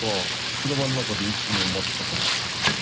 車の中でいつも待ってたから。